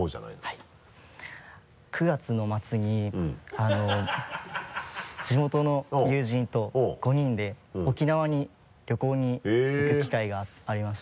９月の末に地元の友人と５人で沖縄に旅行に行く機会がありまして。